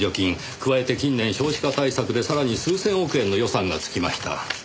加えて近年少子化対策でさらに数千億円の予算がつきました。